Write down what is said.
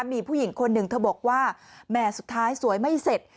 มีผู้หญิงคนหนึ่งเธอบอกว่าแหม่สุดท้ายสวยไม่เสร็จ